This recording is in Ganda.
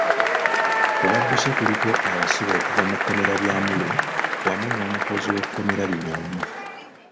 Ku badduse kuliko abasibe okuva mu kkomera lya Amuru wamu n’omukozi w’ekkomera lino omu.